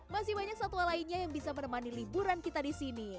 masih banyak satwa lainnya yang bisa menemani liburan kita di sini